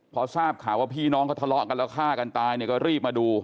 พอทราบข่าวว่าพี่น้องเขาทะเลาะกันแล้วฆ่ากันตายเนี่ยก็รีบมาดู